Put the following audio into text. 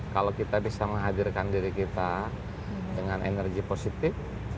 kalau kita bisa menghadirkan diri kita dengan energi positif